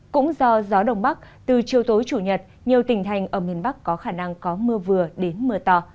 cũng do gió đông bắc từ chiều tối chủ nhật nhiều tỉnh thành ở miền bắc có khả năng có mưa vừa đến mưa to